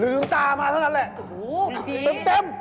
ตามาเท่านั้นแหละโอ้โหเต็ม